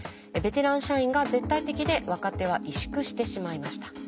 ベテラン社員が絶対的で若手は萎縮してしまいました。